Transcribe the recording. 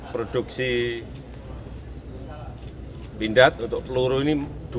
produksi pindad untuk peluru ini